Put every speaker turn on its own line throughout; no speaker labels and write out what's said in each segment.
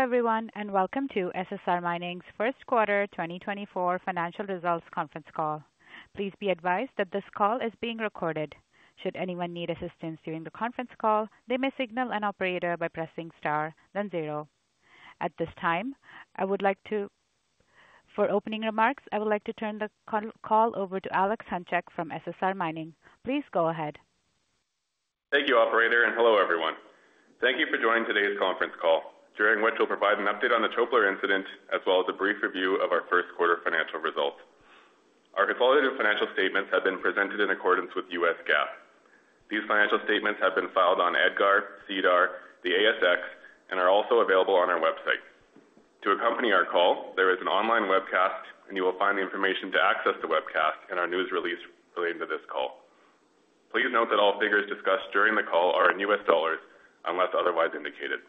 Hello, everyone, and welcome to SSR Mining's first quarter 2024 financial results conference call. Please be advised that this call is being recorded. Should anyone need assistance during the conference call, they may signal an operator by pressing Star, then zero. At this time, for opening remarks, I would like to turn the call over to Alex Hunchak from SSR Mining. Please go ahead.
Thank you, operator, and hello, everyone. Thank you for joining today's conference call, during which we'll provide an update on the Çöpler incident, as well as a brief review of our first quarter financial results. Our consolidated financial statements have been presented in accordance with U.S. GAAP. These financial statements have been filed on EDGAR, SEDAR, the ASX, and are also available on our website. To accompany our call, there is an online webcast, and you will find the information to access the webcast in our news release related to this call. Please note that all figures discussed during the call are in US dollars, unless otherwise indicated.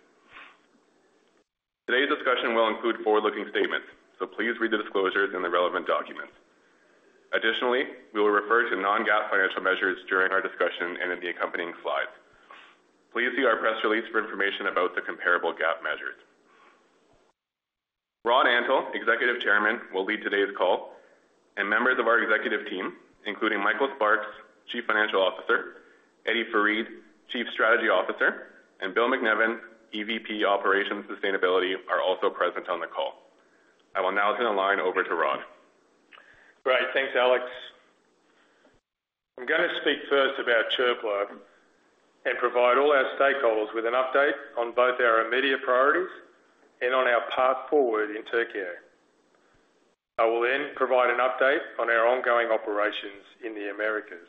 Today's discussion will include forward-looking statements, so please read the disclosures in the relevant documents. Additionally, we will refer to non-GAAP financial measures during our discussion and in the accompanying slides. Please see our press release for information about the comparable GAAP measures. Rod Antal, Executive Chairman, will lead today's call, and members of our executive team, including Michael Sparks, Chief Financial Officer, Eddie Farid, Chief Strategy Officer, and Bill MacNevin, EVP Operations Sustainability, are also present on the call. I will now turn the line over to Rod.
Great. Thanks, Alex. I'm gonna speak first about Çöpler and provide all our stakeholders with an update on both our immediate priorities and on our path forward in Turkey. I will then provide an update on our ongoing operations in the Americas.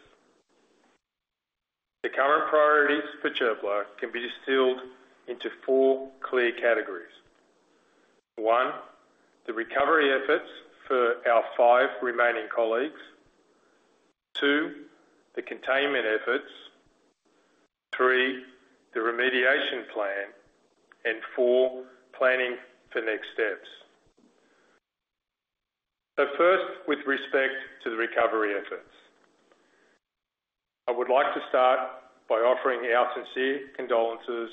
The current priorities for Çöpler can be distilled into four clear categories. One, the recovery efforts for our five remaining colleagues. Two, the containment efforts. Three, the remediation plan. And four, planning for next steps. But first, with respect to the recovery efforts, I would like to start by offering our sincere condolences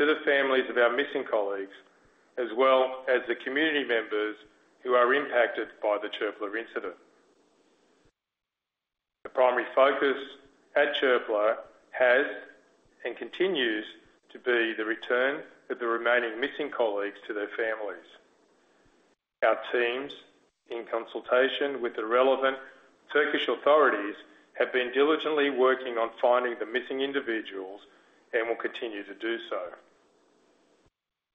to the families of our missing colleagues, as well as the community members who are impacted by the Çöpler incident. The primary focus at Çöpler has and continues to be the return of the remaining missing colleagues to their families. Our teams, in consultation with the relevant Turkish authorities, have been diligently working on finding the missing individuals and will continue to do so.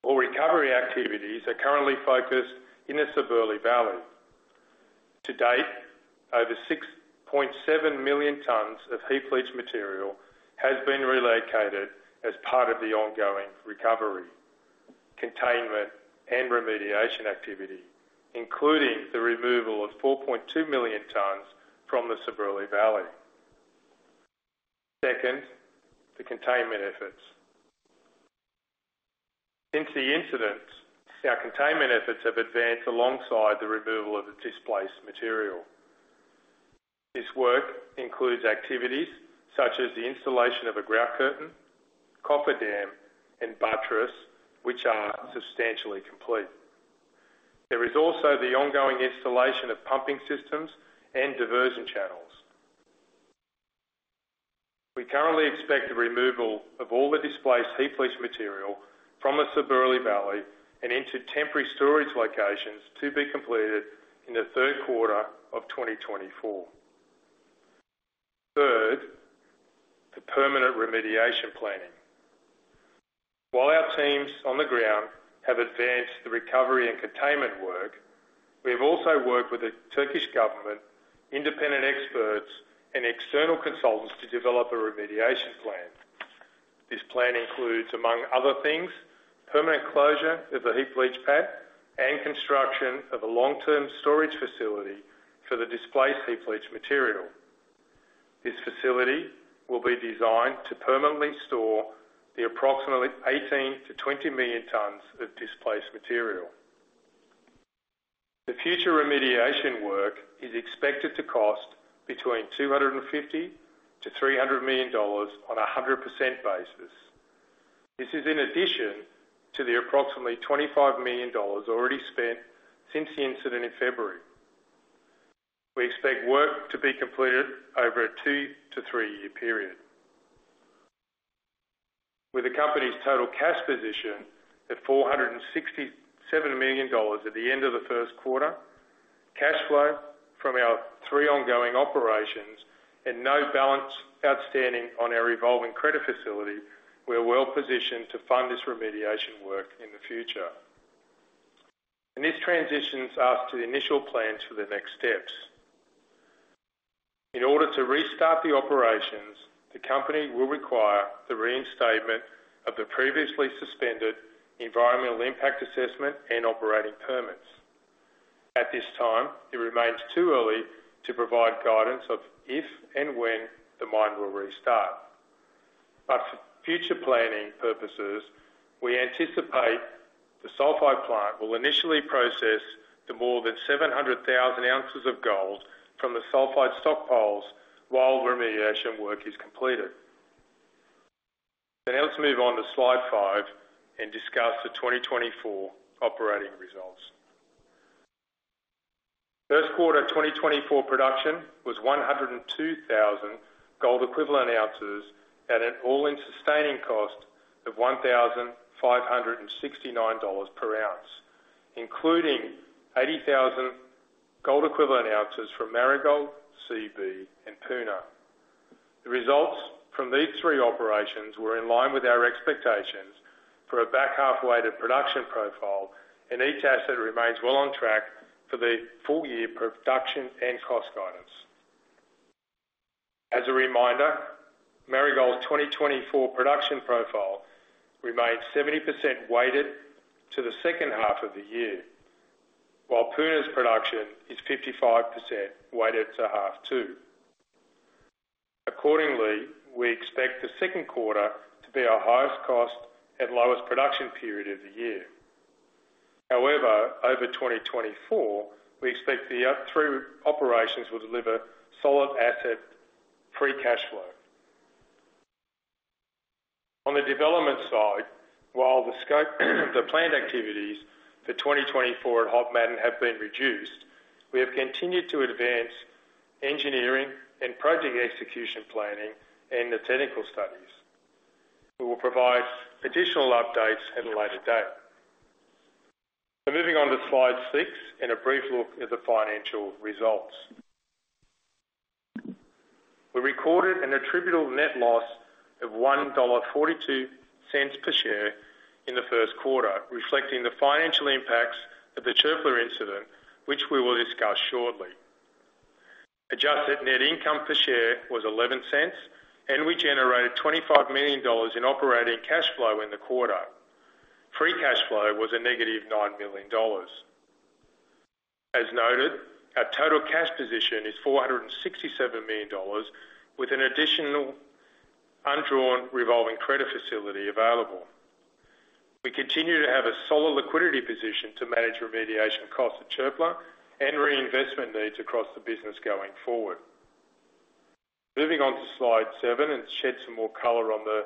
All recovery activities are currently focused in the Sabırlı Valley. To date, over 6.7 million tons of heap leach material has been relocated as part of the ongoing recovery, containment, and remediation activity, including the removal of 4.2 million tons from the Sabırlı Valley. Second, the containment efforts. Since the incident, our containment efforts have advanced alongside the removal of the displaced material. This work includes activities such as the installation of a grout curtain, cofferdam, and buttress, which are substantially complete. There is also the ongoing installation of pumping systems and diversion channels. We currently expect the removal of all the displaced heap leach material from the Sabırlı Valley and into temporary storage locations to be completed in the third quarter of 2024. Third, the permanent remediation planning. While our teams on the ground have advanced the recovery and containment work, we have also worked with the Turkish government, independent experts, and external consultants to develop a remediation plan. This plan includes, among other things, permanent closure of the heap leach pad and construction of a long-term storage facility for the displaced heap leach material. This facility will be designed to permanently store the approximately 18-20 million tons of displaced material. The future remediation work is expected to cost between $250-$300 million on a 100% basis. This is in addition to the approximately $25 million already spent since the incident in February. We expect work to be completed over a 2-3-year period. With the company's total cash position at $467 million at the end of the first quarter, cash flow from our three ongoing operations and no balance outstanding on our revolving credit facility, we are well positioned to fund this remediation work in the future. This transitions us to the initial plans for the next steps. In order to restart the operations, the company will require the reinstatement of the previously suspended Environmental Impact Assessment and operating permits. At this time, it remains too early to provide guidance of if and when the mine will restart. For future planning purposes, we anticipate the sulfide plant will initially process the more than 700,000 ounces of gold from the sulfide stockpiles while the remediation work is completed. Now, let's move on to Slide five and discuss the 2024 operating results. First quarter 2024 production was 102,000 gold equivalent ounces at an all-in sustaining cost of $1,569 per ounce, including 80,000 gold equivalent ounces from Marigold, Seabee, and Puna. The results from these three operations were in line with our expectations for a back half weighted production profile, and each asset remains well on track for the full year production and cost guidance. As a reminder, Marigold's 2024 production profile remains 70% weighted to the second half of the year, while Puna's production is 55% weighted to half two. Accordingly, we expect the second quarter to be our highest cost and lowest production period of the year. However, over 2024, we expect our three operations will deliver solid asset free cash flow. On the development side, while the scope of the planned activities for 2024 at Hod Maden have been reduced, we have continued to advance engineering and project execution planning and the technical studies. We will provide additional updates at a later date. So moving on to Slide six and a brief look at the financial results. We recorded an attributable net loss of $1.42 per share in the first quarter, reflecting the financial impacts of the Çöpler incident, which we will discuss shortly. Adjusted net income per share was $0.11, and we generated $25 million in operating cash flow in the quarter. Free cash flow was -$9 million. As noted, our total cash position is $467 million, with an additional undrawn revolving credit facility available. We continue to have a solid liquidity position to manage remediation costs at Çöpler and reinvestment needs across the business going forward. Moving on to Slide seven and shed some more color on the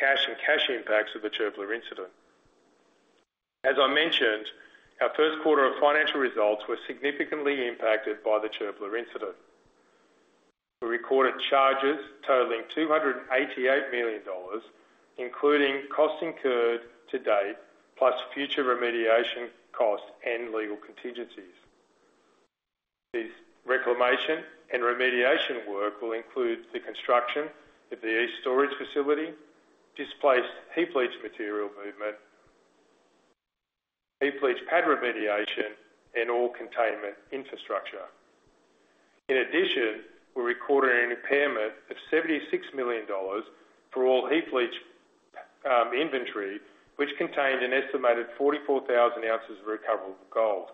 non-cash and cash impacts of the Çöpler incident. As I mentioned, our first quarter of financial results were significantly impacted by the Çöpler incident. We recorded charges totaling $288 million, including costs incurred to date, plus future remediation costs and legal contingencies. This reclamation and remediation work will include the construction of the East Storage Facility, displaced heap leach material movement, heap leach pad remediation, and all containment infrastructure. In addition, we recorded an impairment of $76 million for all heap leach inventory, which contained an estimated 44,000 ounces of recoverable gold,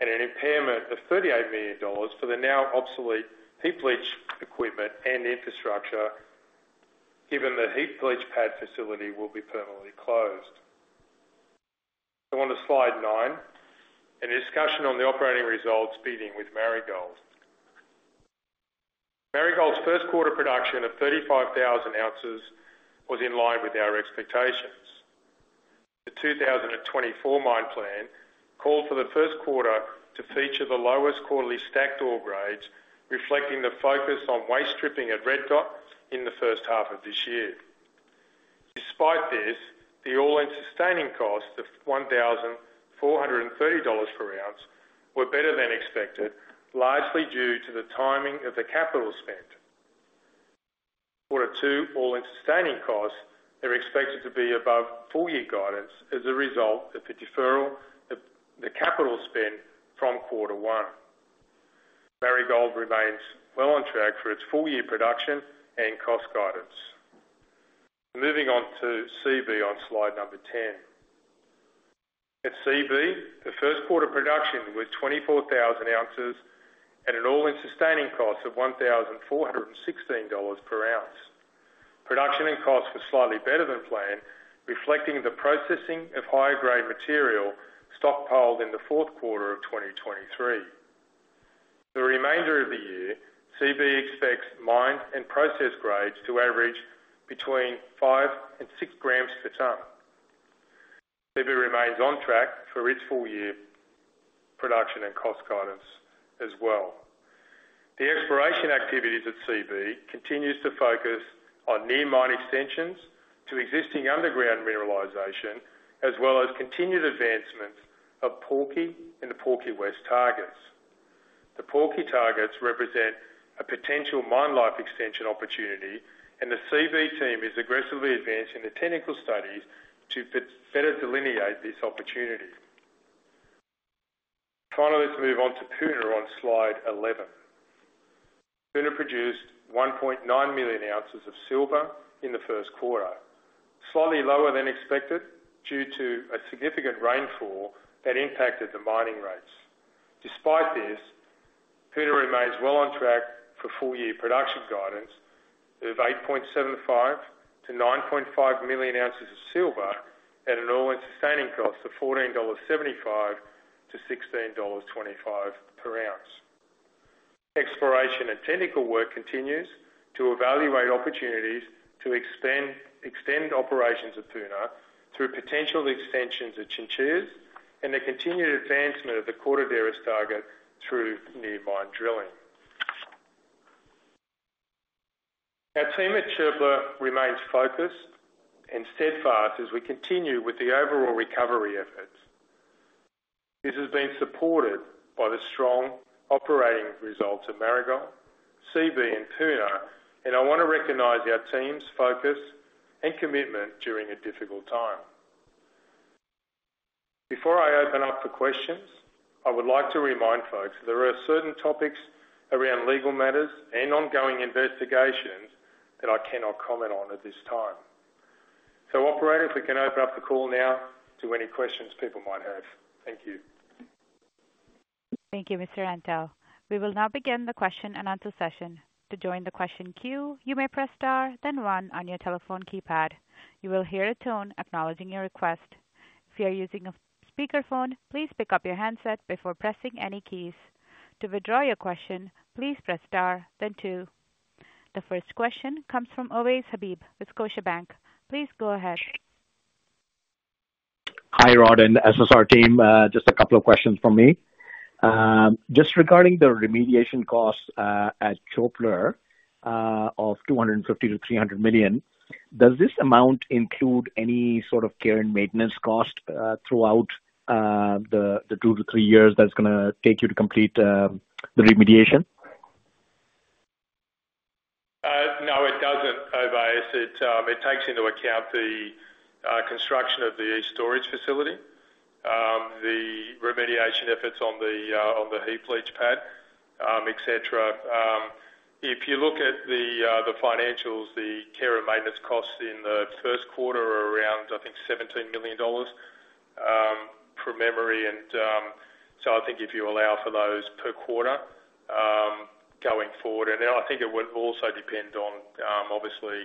and an impairment of $38 million for the now obsolete heap leach equipment and infrastructure, given the heap leach pad facility will be permanently closed. So on to Slide nine, and a discussion on the operating results, beginning with Marigold. Marigold's first quarter production of 35,000 ounces was in line with our expectations. The 2024 mine plan called for the first quarter to feature the lowest quarterly stacked ore grades, reflecting the focus on waste stripping at Red Dot in the first half of this year. Despite this, the all-in sustaining costs of $1,430 per ounce were better than expected, largely due to the timing of the capital spend. Q2 all-in sustaining costs are expected to be above full-year guidance as a result of the deferral of the capital spend from quarter one. Marigold remains well on track for its full-year production and cost guidance. Moving on to Seabee on slide number 10. At Seabee, the first quarter production was 24,000 ounces at an all-in sustaining cost of $1,416 per ounce. Production and costs were slightly better than planned, reflecting the processing of higher-grade material stockpiled in the fourth quarter of 2023. The remainder of the year, Seabee expects mine and process grades to average between 5 and 6 grams per ton. Seabee remains on track for its full-year production and cost guidance as well. The exploration activities at Seabee continue to focus on near mine extensions to existing underground mineralization, as well as continued advancements of Porky and the Porky West targets. The Porky targets represent a potential mine life extension opportunity, and the Seabee team is aggressively advancing the technical studies to better delineate this opportunity. Finally, let's move on to Puna on Slide 11. Puna produced 1.9 million ounces of silver in the first quarter, slightly lower than expected due to a significant rainfall that impacted the mining rates. Despite this, Puna remains well on track for full year production guidance of 8.75-9.5 million ounces of silver at an all-in sustaining cost of $14.75-$16.25 per ounce. Exploration and technical work continues to evaluate opportunities to extend operations at Puna through potential extensions at Chinchillas and the continued advancement of the Cortaderas target through near mine drilling. Our team at Çöpler remains focused and steadfast as we continue with the overall recovery efforts. This has been supported by the strong operating results of Marigold, Seabee, and Puna, and I want to recognize our team's focus and commitment during a difficult time. Before I open up for questions, I would like to remind folks there are certain topics around legal matters and ongoing investigations that I cannot comment on at this time. So operator, if we can open up the call now to any questions people might have? Thank you.
Thank you, Mr. Antal. We will now begin the question-and-answer session. To join the question queue, you may press Star, then One on your telephone keypad. You will hear a tone acknowledging your request. If you are using a speakerphone, please pick up your handset before pressing any keys. To withdraw your question, please press Star then Two. The first question comes from Ovais Habib with Scotiabank. Please go ahead.
Hi, Rod and SSR team. Just a couple of questions from me. Just regarding the remediation costs at Çöpler of $250 million-$300 million, does this amount include any sort of care and maintenance cost throughout the two to three years that it's gonna take you to complete the remediation?
No, it doesn't, Ovais. It takes into account the construction of the storage facility, the remediation efforts on the heap leach pad, et cetera. If you look at the financials, the care and maintenance costs in the first quarter are around, I think, $17 million, from memory. And so I think if you allow for those per quarter, going forward, and then I think it would also depend on, obviously,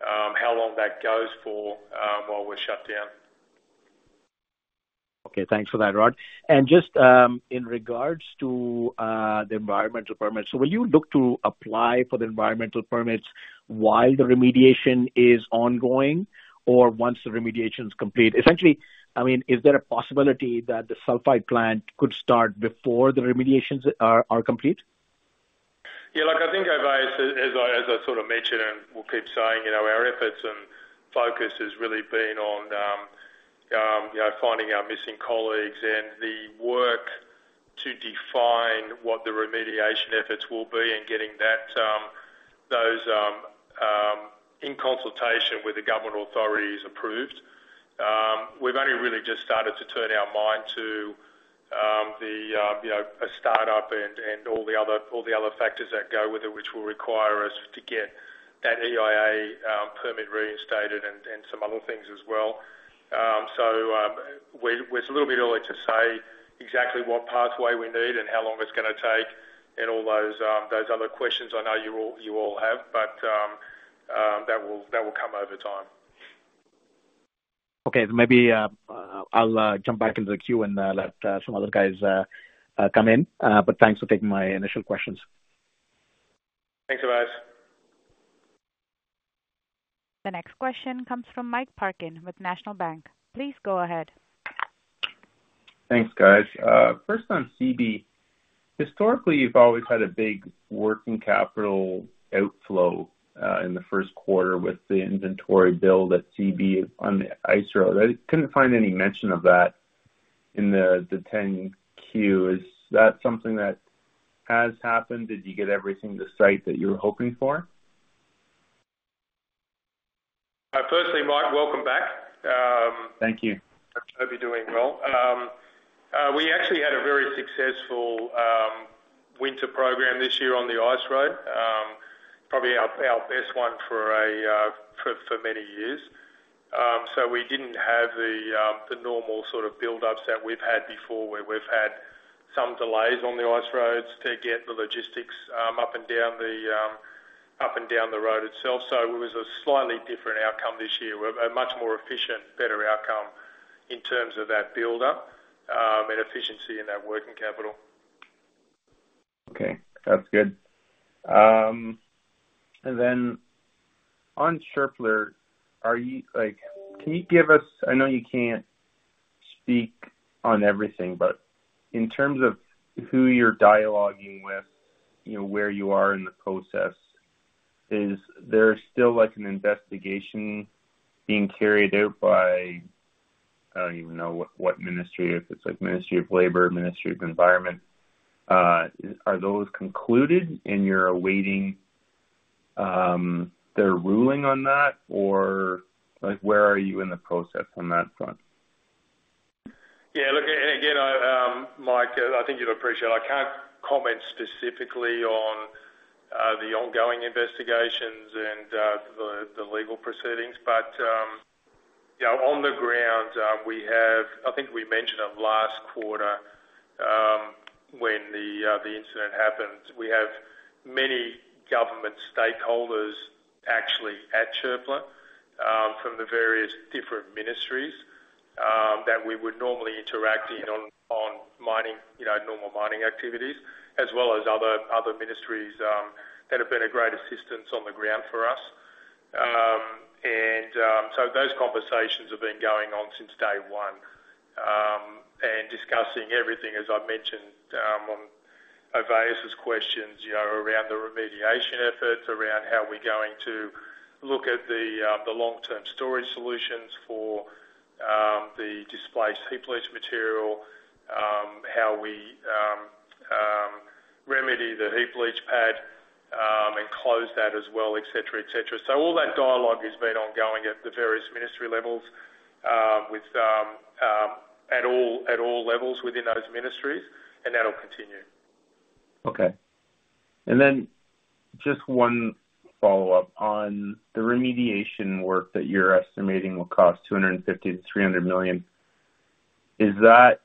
how long that goes for, while we're shut down.
Okay, thanks for that, Rod. And just in regards to the environmental permits, so will you look to apply for the environmental permits while the remediation is ongoing, or once the remediation is complete? Essentially, I mean, is there a possibility that the sulfide plant could start before the remediations are complete?
Yeah, look, I think, Ovais, as I sort of mentioned, and we'll keep saying, you know, our efforts and focus has really been on, you know, finding our missing colleagues and the work to define what the remediation efforts will be and getting that, those, in consultation with the government authorities approved. We've only really just started to turn our mind to, the, you know, a startup and, and all the other, all the other factors that go with it, which will require us to get that EIA permit reinstated and, and some other things as well. So, it's a little bit early to say exactly what pathway we need and how long it's gonna take and all those other questions I know you all have, but that will come over time.
Okay, maybe, I'll jump back into the queue and let some other guys come in. But thanks for taking my initial questions.
Thanks, Ovais.
The next question comes from Mike Parkin with National Bank Financial. Please go ahead.
Thanks, guys. First on Seabee. Historically, you've always had a big working capital outflow in the first quarter with the inventory build at Seabee on the ice road. I couldn't find any mention of that in the 10-Q. Is that something that has happened? Did you get everything to site that you were hoping for?
Firstly, Mike, welcome back.
Thank you.
I hope you're doing well. We actually had a very successful winter program this year on the ice road. Probably our best one for many years. So we didn't have the normal sort of buildups that we've had before, where we've had some delays on the ice roads to get the logistics up and down the road itself. So it was a slightly different outcome this year, a much more efficient, better outcome in terms of that buildup and efficiency in our working capital.
Okay, that's good. And then on Çöpler, are you... Like, can you give us, I know you can't speak on everything, but in terms of who you're dialoguing with, you know, where you are in the process, is there still, like, an investigation being carried out by, I don't even know what, what ministry, if it's, like, Ministry of Labor, Ministry of Environment, are those concluded and you're awaiting their ruling on that? Or like, where are you in the process on that front?
Yeah, look, and again, I, Mike, I think you'd appreciate it. I can't comment specifically on, the ongoing investigations and, the, the legal proceedings. But, you know, on the ground, we have... I think we mentioned them last quarter, when the, the incident happened. We have many government stakeholders actually at Çöpler, from the various different ministries... that we would normally interact in on, on mining, you know, normal mining activities, as well as other, other ministries, that have been a great assistance on the ground for us. And, so those conversations have been going on since day one. And discussing everything, as I've mentioned, on Ovais' questions, you know, around the remediation efforts, around how we're going to look at the, the long-term storage solutions for, the displaced heap leach material, how we, remedy the heap leach pad, and close that as well, et cetera, et cetera. So all that dialogue has been ongoing at the various ministry levels, with, at all, at all levels within those ministries, and that'll continue.
Okay. And then just one follow-up. On the remediation work that you're estimating will cost $250-$300 million, is that--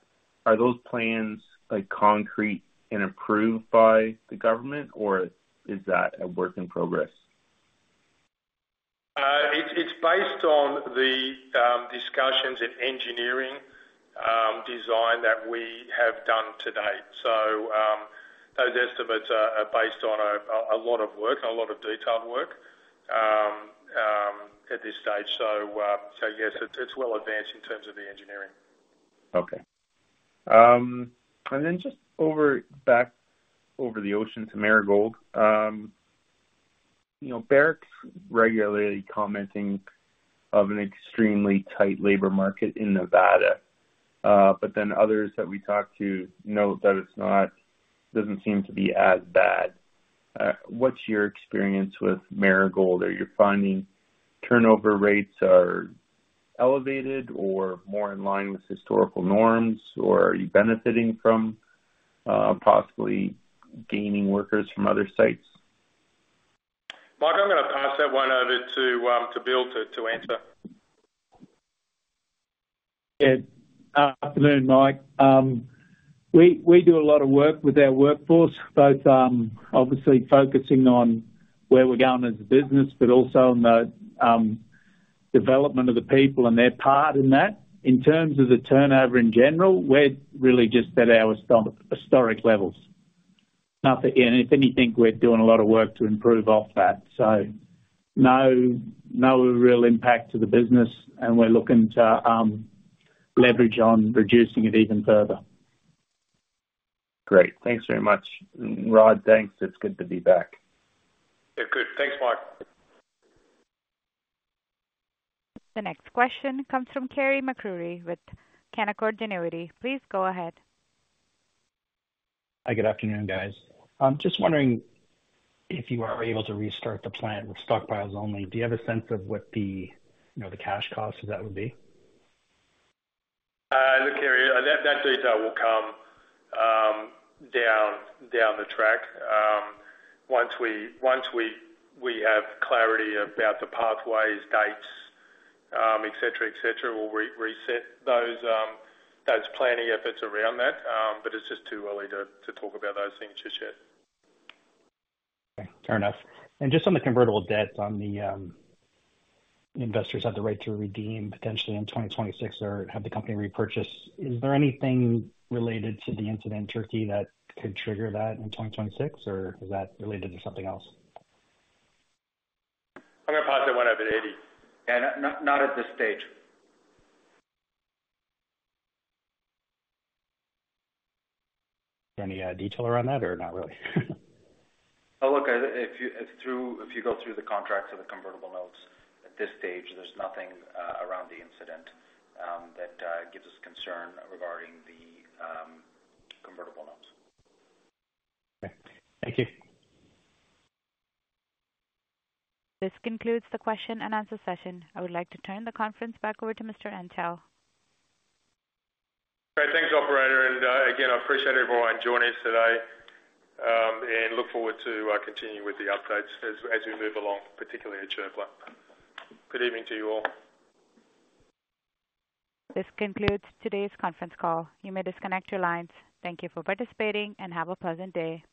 are those plans, like, concrete and approved by the government, or is that a work in progress?
It's based on the discussions and engineering design that we have done to date. So, those estimates are based on a lot of work, a lot of detailed work, at this stage. So, yes, it's well advanced in terms of the engineering.
Okay. And then just over, back over the ocean to Marigold. You know, Barrick's regularly commenting of an extremely tight labor market in Nevada. But then others that we talk to note that it's not, doesn't seem to be as bad. What's your experience with Marigold? Are you finding turnover rates are elevated or more in line with historical norms? Or are you benefiting from possibly gaining workers from other sites?
Mike, I'm gonna pass that one over to Bill to answer.
Yeah. Afternoon, Mike. We do a lot of work with our workforce, both obviously focusing on where we're going as a business, but also on the development of the people and their part in that. In terms of the turnover in general, we're really just at our historic levels. Not that... And if anything, we're doing a lot of work to improve off that. So no, no real impact to the business, and we're looking to leverage on reducing it even further.
Great. Thanks very much. Rod, thanks. It's good to be back.
Yeah, good. Thanks, Mike.
The next question comes from Carey MacRury with Canaccord Genuity. Please go ahead.
Hi, good afternoon, guys. I'm just wondering if you are able to restart the plant with stockpiles only. Do you have a sense of what the, you know, the cash costs of that would be?
Look, Carey, that detail will come down the track. Once we have clarity about the pathways, dates, et cetera, et cetera, we'll re-reset those planning efforts around that. But it's just too early to talk about those things just yet.
Okay, fair enough. And just on the convertible debt, on the, investors have the right to redeem potentially in 2026 or have the company repurchase. Is there anything related to the incident in Turkey that could trigger that in 2026, or is that related to something else?
I'm gonna pass that one over to Eddie.
Yeah. Not at this stage.
Any detail around that or not really?
Well, look, if you go through the contracts of the convertible notes, at this stage, there's nothing around the incident that gives us concern regarding the convertible notes.
Okay. Thank you.
This concludes the question and answer session. I would like to turn the conference back over to Mr. Antal.
Great. Thanks, operator. And again, I appreciate everyone joining us today, and look forward to continuing with the updates as we move along, particularly at Çöpler. Good evening to you all.
This concludes today's conference call. You may disconnect your lines. Thank you for participating, and have a pleasant day.